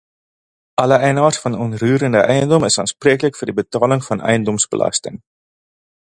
Alle eienaars van onroerende eiendom is aanspreeklik vir die betaling van eiendomsbelasting.